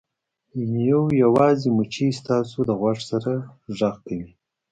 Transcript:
یو یوازې مچۍ ستاسو د غوږ سره غږ کوي